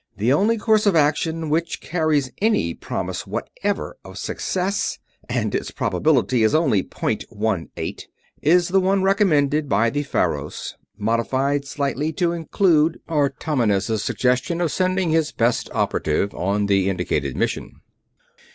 "The only course of action which carries any promise whatever of success and its probability is only point one eight is the one recommended by the Faros, modified slightly to include Artomenes' suggestion of sending his best operative on the indicated mission.